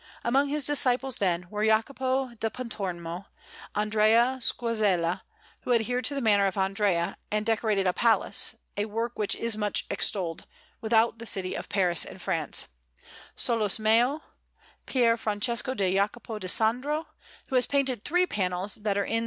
Among his disciples, then, were Jacopo da Pontormo; Andrea Sguazzella, who adhered to the manner of Andrea and decorated a palace, a work which is much extolled, without the city of Paris in France; Solosmeo; Pier Francesco di Jacopo di Sandro, who has painted three panels that are in S.